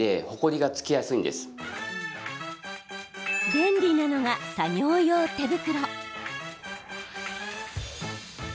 便利なのが作業用手袋。